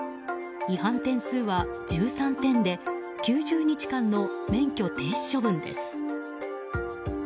違反点数は１３点で９０日間の免許停止処分です。